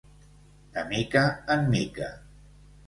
De mica en mica.